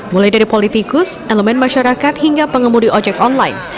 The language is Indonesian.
mulai dari politikus elemen masyarakat hingga pengemudi ojek online